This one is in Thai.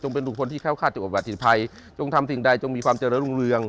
เป็นบุคคลที่เข้าค่าตัวบัฐิภัยจงทำสิ่งใดจงมีความเจริญรุ่งเรือง